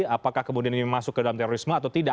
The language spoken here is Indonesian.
apakah kemudian ini masuk ke dalam terorisme atau tidak